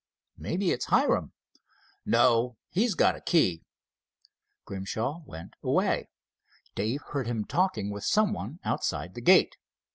"Maybe it's Hiram." "No, he's got a key." Grimshaw went away. Dave heard him talking with someone outside the gate.